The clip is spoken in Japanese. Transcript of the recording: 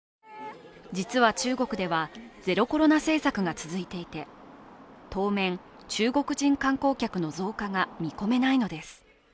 実は中国では、ゼロコロナ政策が続いていて、当面、中国人観光客の増加が見込めないのです。